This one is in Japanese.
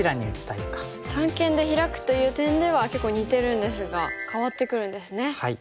三間でヒラくという点では結構似てるんですが変わってくるんですね。